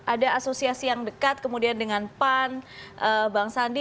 ada asosiasi yang dekat kemudian dengan pan bang sandi